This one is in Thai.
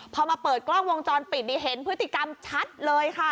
พอมาเปิดกล้องวงจรปิดนี่เห็นพฤติกรรมชัดเลยค่ะ